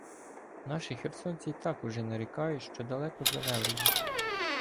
наші херсонці й так уже нарікають, що далеко завели їх.